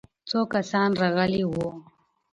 څو کسان راغلي وو؟